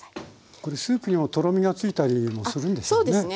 これスープにもとろみがついたりもするんですよね。